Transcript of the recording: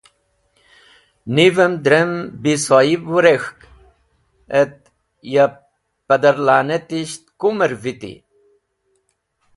Niven drem bisoyib wũrek̃hk et ya padar la’natish kumer viti?